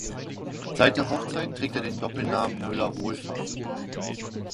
Seit der Hochzeit trägt er den Doppelnamen Müller-Wohlfahrt.